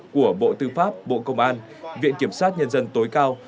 của bộ tư pháp bộ công an viện kiểm sát nhân dân tối cao